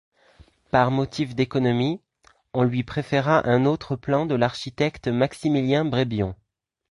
Par motif d'économie, on lui préféra un autre plan de l'architecte Maximilien Brébion.